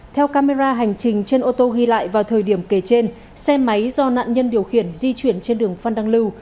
theo camera hành trình trên ô tô ghi lại vào thời điểm kể trên xe máy do nạn nhân điều khiển di chuyển trên đường phan đăng lưu